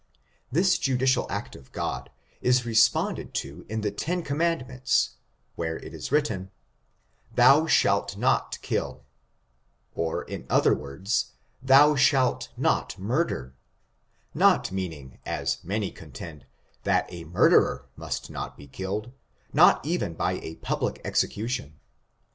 This judicial act of God is responded to in the ten commandments, where it is written, " thou shalt not kill," or, in other words, thou shalt not murder; not meaning, as many contend, that a murderer must not be killed — ^not even by a public execution.